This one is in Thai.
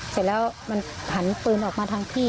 เสร็จแล้วมันหันปืนออกมาทางที่